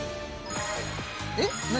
えっ何？